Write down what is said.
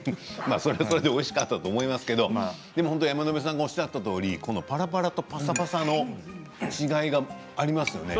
それはそれでおいしかったと思いますけどでもほんと山野辺さんがおっしゃったとおりこのパラパラとパサパサの違いがありますよね。